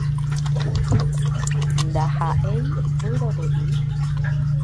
Ndahaʼéi vyrorei.